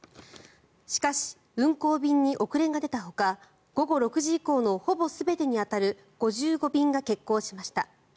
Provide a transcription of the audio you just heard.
しかし、運航便に遅れが出たほか午後６時以降のほぼ全てに当たる５５便が欠航しました。